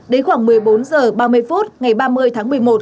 đến khoảng một mươi bốn h ba mươi phút ngày ba mươi tháng một mươi một